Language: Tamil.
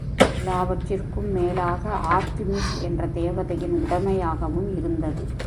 எல்லாவற்றிற்கும் மேலாக ஆர்ட்டிமிஸ் என்ற தேவதையின் உடமையாகவும் இருந்தது.